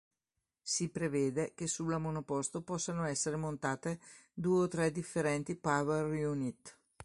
Si prevede che sulla monoposto possano essere montate due o tre differenti "power unit".